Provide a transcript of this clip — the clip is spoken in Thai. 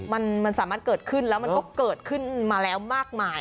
มันสามารถเกิดขึ้นแล้วมันก็เกิดขึ้นมาแล้วมากมาย